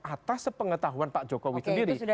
atas pengetahuan pak jokowi sendiri